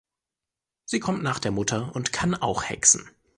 Sie kommt nach der Mutter und kann auch hexen.